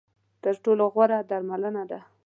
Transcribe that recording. تر ټولو غوره درملنه ده .